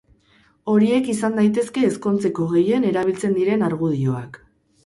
Horiek izan daitezke ezkontzeko gehien erabiltzen diren argudioak.